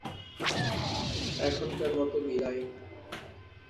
এখনকার মতো বিদায়।